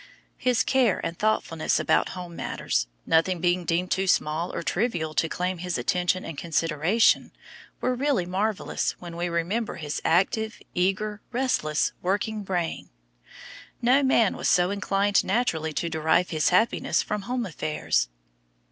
His care and thoughtfulness about home matters, nothing being deemed too small or trivial to claim his attention and consideration, were really marvellous when we remember his active, eager, restless, working brain. No man was so inclined naturally to derive his happiness from home affairs.